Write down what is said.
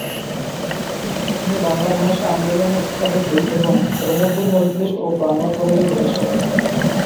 তিনি বাংলা ভাষা আন্দোলনের স্থপতি এবং তমদ্দুন মজলিস ও বাঙলা কলেজের প্রতিষ্ঠাতা।